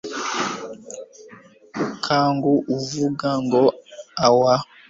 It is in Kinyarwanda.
ukanga uvuga ngo awa